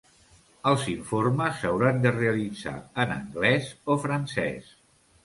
Els informes s'hauran de realitzar en anglès o francès.